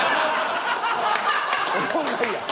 おもろないやん。